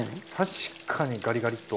確かにガリガリッと。